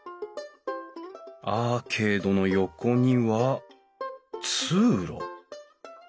アーケードの横には通路？